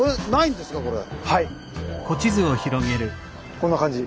こんな感じ。